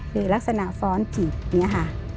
คือลักษณะฟ้อนตินนี่อะฮะ